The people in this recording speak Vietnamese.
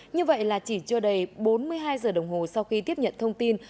như vậy là chỉ chưa đầy bốn mươi hai giờ đồng hồ sau khi tiếp nhận thông tin